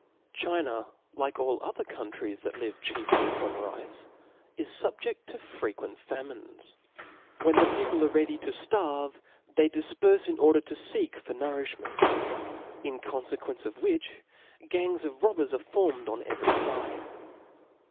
China, like all other countries that live chiefiy upon rice, is fubjeft to frequent famines. When the people are ready to ftarve, they difperfe in order to ftek for nourifhment ; in confequence of which, gangs of robbers are formed on every fide.